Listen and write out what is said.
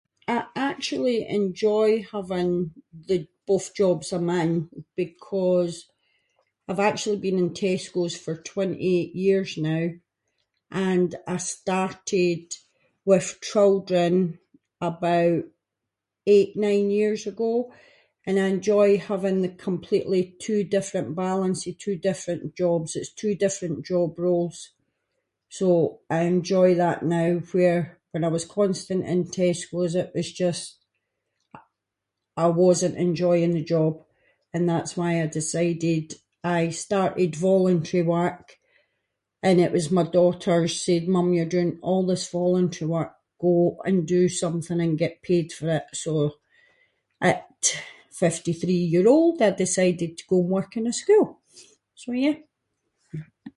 "I actually enjoy having the both jobs I’m in, because I’ve actually been in Tesco’s for twenty-eight years now and I started with children about eight, nine years ago, and I enjoy having the completely two different balance of two different jobs, its two different job roles. So I enjoy that now, where, when I was constant in Tesco’s it was just- I wasn’t enjoying the job, and that’s why I decided, I started voluntary work and it was my daughters said “mum you’re doing all this voluntary work, go and do something, and get paid for it."" So, at fifty-three year-old, I decided to go work in a school, so yeah."